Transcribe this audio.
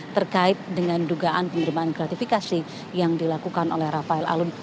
terkait dengan dugaan penerimaan gratifikasi yang dilakukan oleh rafael alun